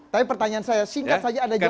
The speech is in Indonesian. tapi pertanyaan saya singkat saja anda jawab